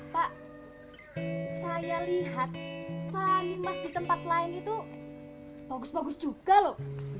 pak saya lihat sanimas di tempat lain itu bagus bagus juga loh